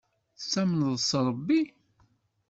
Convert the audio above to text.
Tettamneḍ s Ṛebbi?